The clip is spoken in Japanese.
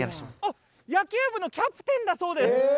野球部のキャプテンだそうです！